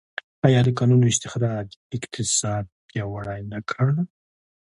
آیا د کانونو استخراج اقتصاد پیاوړی نه کړ؟